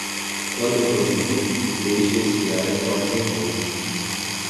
Quando cozido, deixe esfriar e corte em rolos.